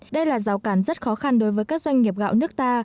đây là rào cản rất khó khăn đối với các doanh nghiệp gạo nước ta